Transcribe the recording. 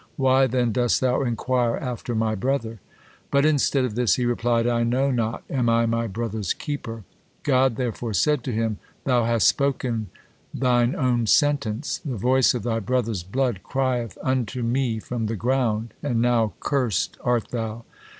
Why then dost Thou inquire after my brother?" But instead of this he replied, "I know not. Am I my brother's keeper?" God therefore said to him: "Thou hast spoken thin own sentence. The voice of thy brother's blood crieth unto Me from the ground, and now cursed art thou."